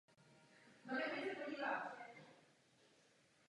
Gymnázium získalo v průběhu existence několik certifikátů.